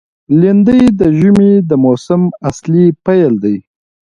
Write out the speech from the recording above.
لېندۍ د ژمي د موسم اصلي پیل دی.